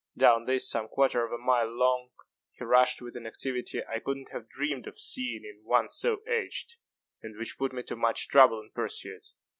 Down this, some quarter of a mile long, he rushed with an activity I could not have dreamed of seeing in one so aged, and which put me to much trouble in pursuit.